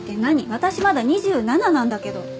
私まだ２７なんだけど。